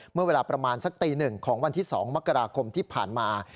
เมื่อเวลาประมาณสักตี๑ของวันที่๒มกราคมที่ผ่านมา